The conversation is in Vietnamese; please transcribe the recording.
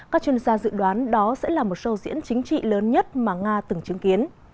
các chuyên gia dự đoán đó sẽ là một sâu diễn chính trị lớn nhất mà nga từng chứng kiến